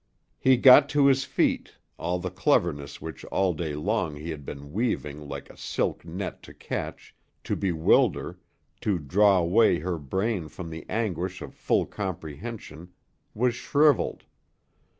He got to his feet, all the cleverness which all day long he had been weaving like a silk net to catch, to bewilder, to draw away her brain from the anguish of full comprehension, was shriveled.